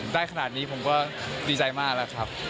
ได้ขนาดนี้ผมก็ดีใจมากแล้วครับ